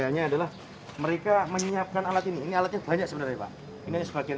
hanya adalah mereka menyiapkan alat ini ini alatnya banyak sebenarnya pak ini sebagian